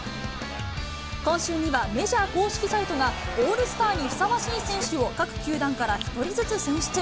今週にはメジャー公式サイトが、オールスターにふさわしい選手を各球団から１人ずつ選出。